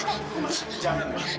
mas jangan mas